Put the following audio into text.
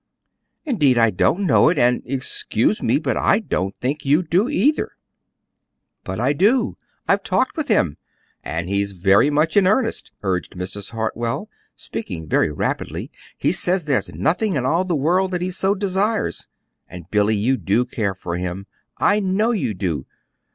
"Indeed I don't know it, and excuse me, but I don't think you do, either." "But I do. I've talked with him, and he's very much in earnest," urged Mrs. Hartwell, speaking very rapidly. "He says there's nothing in all the world that he so desires. And, Billy, you do care for him I know you do!"